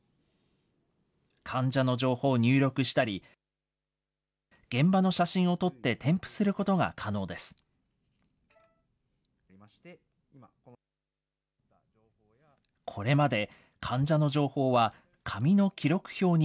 患者の情報を入力したり、現場の写真を撮って添付することが可能です。